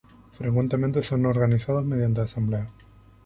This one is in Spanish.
Frecuentemente son organizados mediante asamblea.